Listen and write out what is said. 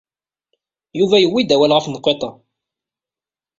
Yuba yuwey-d awal ɣef tenqiḍt-a.